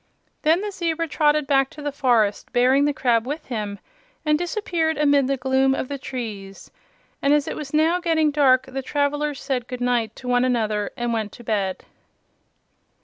Then the zebra trotted back to the forest, bearing the crab with him, and disappeared amid the gloom of the trees. And as it was now getting dark the travelers said good night to one another and went to bed.